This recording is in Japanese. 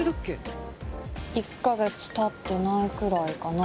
１カ月経ってないくらいかな？